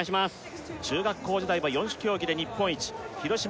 中学校時代は４種競技で日本一広島